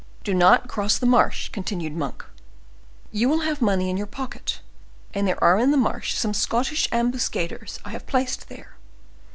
"Do not cross the marsh," continued Monk: "you will have money in your pocket, and there are in the marsh some Scottish ambuscaders I have placed there.